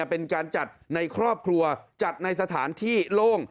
เป็นการจัดในครอบครัวจัดในสถานที่โล่ง